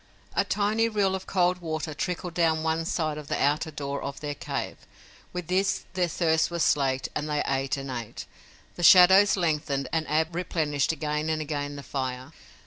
A tiny rill of cold water trickled down on one side of the outer door of their cave. With this their thirst was slaked, and they ate and ate. The shadows lengthened and Ab replenished again and again the fire.